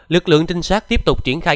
lực lượng tinh sát tiếp tục triển khai